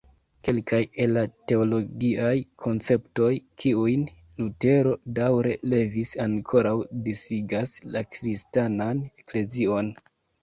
Kelkaj el la teologiaj konceptoj kiujn Lutero daŭre levis ankoraŭ disigas la Kristanan Eklezion.